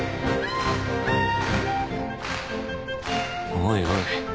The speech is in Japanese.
おいおい。